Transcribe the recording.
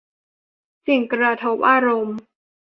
สิ่งกระทบอารมณ์